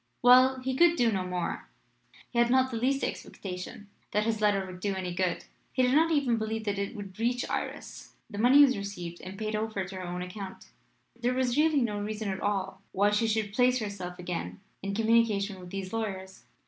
Well; he could do no more. He had not the least expectation that his letter would do any good; he did not even believe that it would reach Iris. The money was received and paid over to her own account. There was really no reason at all why she should place herself again in communication with these lawyers.